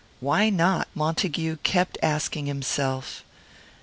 Why not? Montague kept asking himself.